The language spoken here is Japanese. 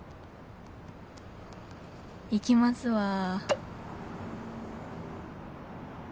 「行きますわー」。